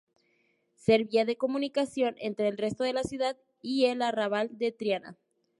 Servía de comunicación entre el resto de la ciudad y el arrabal de Triana.